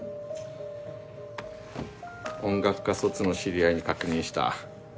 音楽科卒の知り合いに確認した。